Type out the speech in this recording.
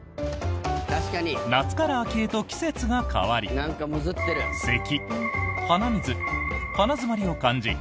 夏から秋へと季節が変わりせき、鼻水、鼻詰まりを感じ